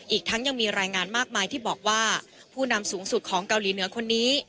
อีกทั้งยังมีรายงานมากมายที่บอกว่าผู้นำสูงสุดของเกาหลีเหนือคนนี้